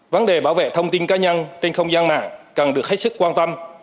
vấn đề bảo vệ thông tin cá nhân trên không gian mạng cần được hết sức quan tâm